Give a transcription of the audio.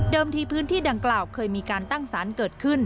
ที่พื้นที่ดังกล่าวเคยมีการตั้งสารเกิดขึ้น